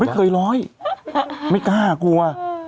เคยร้อยไม่กล้ากลัว